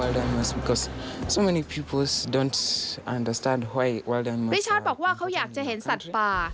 ดิฉันบอกว่าเขาอยากจะเห็นสัตว์ป่า